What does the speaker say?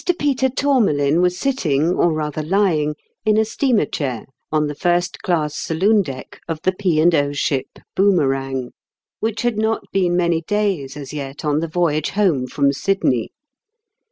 PETER TOURMALIN was sitting, or rather lying, in a steamer chair, on the first class sa loon deck of the P. and O. ship Boomerang, which had not been many days as yet on the voyage home from Sydney.